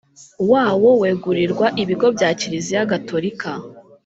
wawo wegurirwa ibigo bya kiliziya gatolika